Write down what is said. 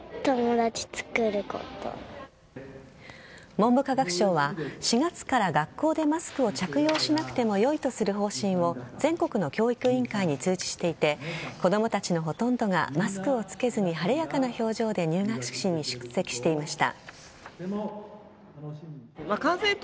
文部科学省は、４月から学校でマスクを着用しなくてもよいとする方針を全国の教育委員会に通知していて子供たちのほとんどがマスクをつけずに晴れやかな表情で入学式に出席していました。